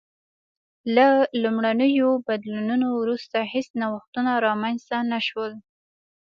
له لومړنیو بدلونونو وروسته هېڅ نوښتونه رامنځته نه شول